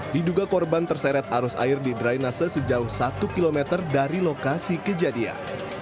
diduga korban terseret arus air di drainase sejauh satu km dari lokasi kejadian